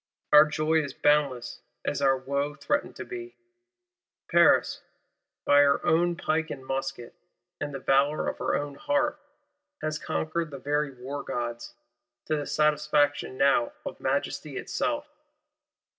Our joy is boundless as our wo threatened to be. Paris, by her own pike and musket, and the valour of her own heart, has conquered the very wargods,—to the satisfaction now of Majesty itself.